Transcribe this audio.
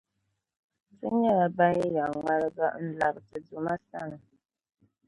Ti nyɛla ban yɛn ŋmalgi nlabi ti Duuma sani.